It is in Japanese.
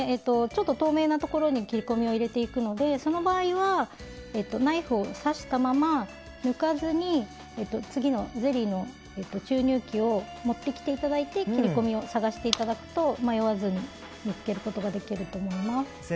ちょっと透明なところに切り込みを入れていくのでその場合は、ナイフを刺したまま抜かずに次のゼリーの注入器を持ってきていただいて切り込みを探していただくと迷わずに見つけることができると思います。